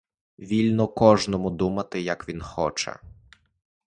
Вільно кожному думати, як він хоче.